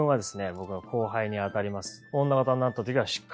僕の後輩にあたります。